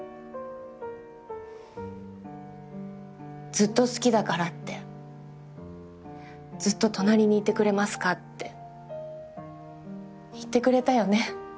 ずっと好きだからってずっと隣にいてくれますかって言ってくれたよね。